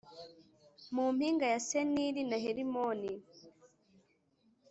mu mpinga ya Seniri na Herimoni